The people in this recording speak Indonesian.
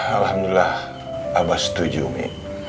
alhamdulillah abbas setuju mi